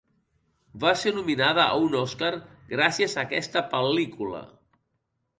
Va ser nominada a un Oscar gràcies a aquesta pel·lícula.